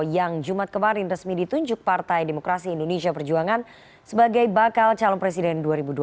yang jumat kemarin resmi ditunjuk partai demokrasi indonesia perjuangan sebagai bakal calon presiden dua ribu dua puluh